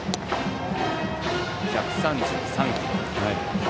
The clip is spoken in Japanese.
１３３キロ。